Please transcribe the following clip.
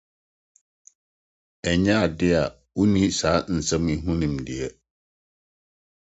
Ɛnyɛ ade a wonni saa nsɛm yi ho nimdeɛ.